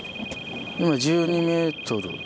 今１２ｍ。